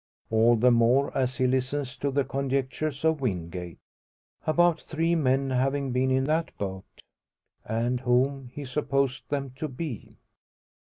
All the more as he listens to the conjectures of Wingate about three men having been in that boat, and whom he supposed them to be.